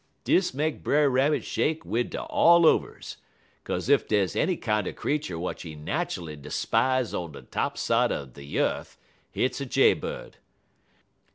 "Dis make Brer Rabbit shake wid de allovers, 'kaze ef dey's any kinder creetur w'at he nat'ally 'spize on de topside er de yeth, hit's a Jaybird.